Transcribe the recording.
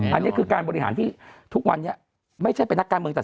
อันนี้คือการบริหารที่ทุกวันนี้ไม่ใช่เป็นนักการเมืองแต่